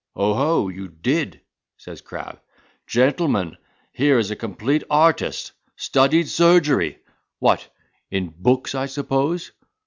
—"Oho! you did," says Crab. "Gentlemen, here is a complete artist! Studied surgery! What? in books, I suppose.